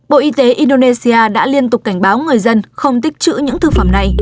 bộ y tế indonesia đã liên tục cảnh báo người dân không tích chữ những thực phẩm này